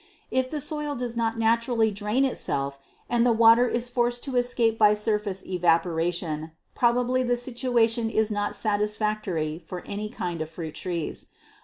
If the soil does not naturally drain itself and the water is forced to escape by surface evaporation, probably the situation is not satisfactory for any kind of fruit trees.